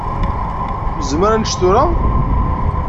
Nezmer ad nečč tura?